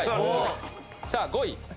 さあ５位。